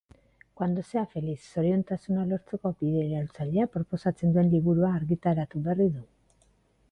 Cuando sea feliz zoriontasuna lortzeko bide iraultzailea proposatzen duen liburua argitaratu berri du.